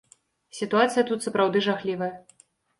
Сітуацыя тут сапраўды жахлівая.